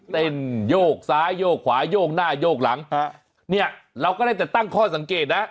โยกซ้ายโยกขวาโยกหน้าโยกหลังฮะเนี่ยเราก็ได้แต่ตั้งข้อสังเกตนะ